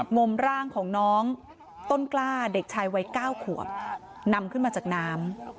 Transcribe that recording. งมร่างของน้องต้นกล้าเด็กชายวัย๙ขวบนำขึ้นมาจากน้ำ